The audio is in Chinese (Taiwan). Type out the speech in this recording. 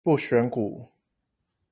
不選股